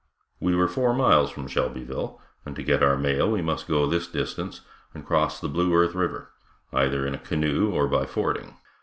We were four miles from Shelbyville, and to get our mail we must go this distance, and cross the Blue Earth river, either in a canoe or by fording.